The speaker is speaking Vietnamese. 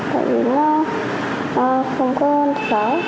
tại vì nó không có sở